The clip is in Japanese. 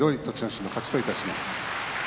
心の勝ちといたします。